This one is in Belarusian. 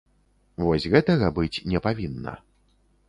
Вось гэтага быць не павінна.